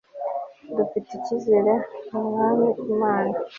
dufite icyizere mu mwami imana